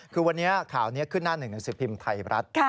คือวันนี้ข่าวนี้ขึ้นหน้าหนึ่งหนังสือพิมพ์ไทยรัฐ